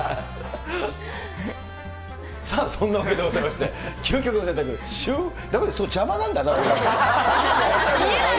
さあ、そんなわけでございまして、究極の選択、なんかそこ邪魔なんだよな。